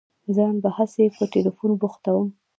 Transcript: ځان به هسي په ټېلفون بوختوم.